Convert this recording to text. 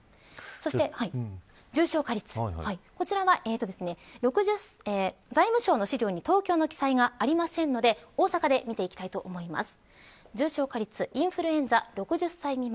そして重症化率は財務省の資料に東京の記載がありませんので大阪で見ていきたいと思います。